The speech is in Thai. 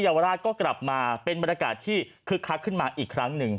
ยาวราชก็กลับมาเป็นบรรยากาศที่คึกคักขึ้นมาอีกครั้งหนึ่ง